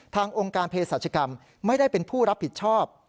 องค์การเพศรัชกรรมไม่ได้เป็นผู้รับผิดชอบ